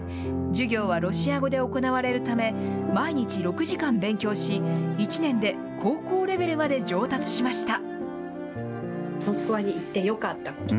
授業はロシア語で行われるため、毎日６時間勉強し、１年で高校レベルまで上達しました。